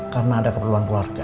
karena ada keperluan keluarga